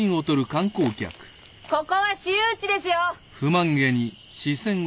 ここは私有地ですよ。